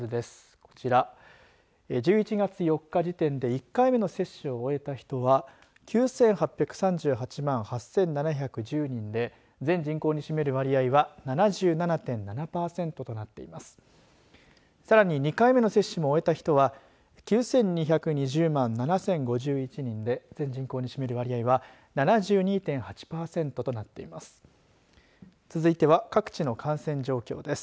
こちら、１１月４日時点で１回目の接種を終えた人は９８３８万８７１０人で全人口に占める割合は７７．７パーセントとなっています。